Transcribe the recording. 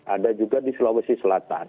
ada juga di sulawesi selatan